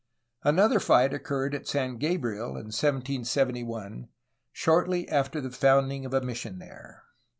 Another fight occurred at San Gabriel in 1771, shortly after the founding of a mission there.